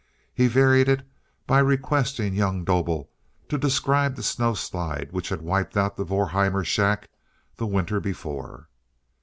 He varied it by requesting young Dobel to describe the snowslide which had wiped out the Vorheimer shack the winter before.